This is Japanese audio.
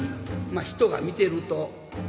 まあ人が見てると。